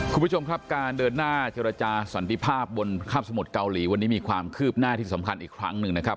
คุณผู้ชมครับการเดินหน้าเจรจาสันติภาพบนคาบสมุทรเกาหลีวันนี้มีความคืบหน้าที่สำคัญอีกครั้งหนึ่งนะครับ